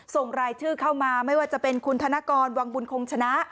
ส่งรายชื่อเข้ามาไม่ว่าจะเป็นคุณธนกรวังบุญคงชนะ